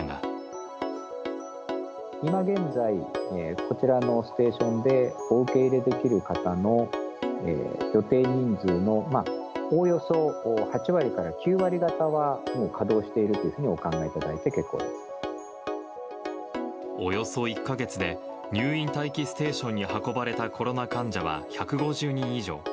今現在、こちらのステーションでお受け入れできる方の予定人数のおおよそ８割から９割がたは、もう稼働しているというふうにお考えいただおよそ１か月で、入院待機ステーションに運ばれたコロナ患者は１５０人以上。